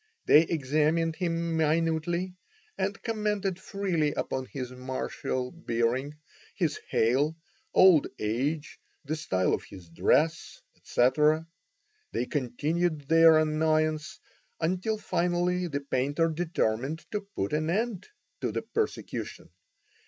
They examined him minutely, and commented freely upon his martial bearing, his hale, old age, the style of his dress, etc. They continued their annoyance until finally the painter determined to put an end to the persecution.